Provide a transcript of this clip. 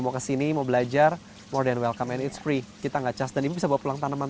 mau kesini mau belajar modern welcome and it's free kita enggak cah dan bisa bawa pulang tanaman